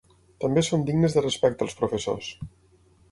També són dignes de respecte els professors.